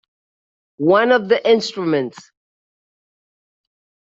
One of the instruments?